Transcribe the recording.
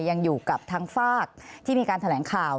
ยังอยู่กับทางฝากที่มีการแถลงข่าว